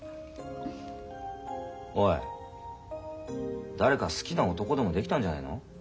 おい誰か好きな男でもできたんじゃないの？